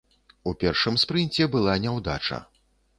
У першым спрынце была няўдача.